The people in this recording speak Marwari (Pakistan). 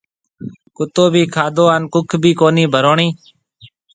ڪُتو ڀِي کاڌو ھان ڪُک ڀِي ڪونِي ڀروڻِي